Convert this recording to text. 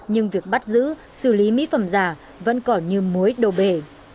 nhưng việc bắt giữ xử lý mỹ phẩm giả vẫn còn như mối đồ bể